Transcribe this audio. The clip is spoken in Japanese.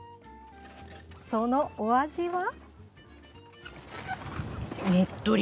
そのお味は。